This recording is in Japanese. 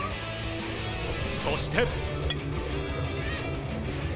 そして。